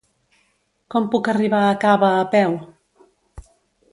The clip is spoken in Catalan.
Com puc arribar a Cava a peu?